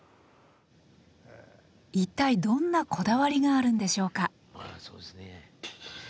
一体どんなこだわりがあるんでしょうか？